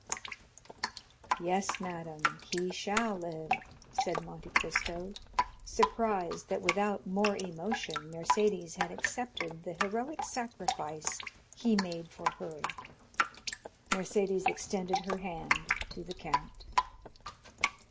"Yes, madame, he shall live," said Monte Cristo, surprised that without more emotion Mercédès had accepted the heroic sacrifice he made for her. Mercédès extended her hand to the count.